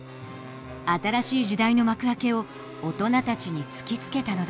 新しい時代の幕開けを大人たちに突きつけたのだ。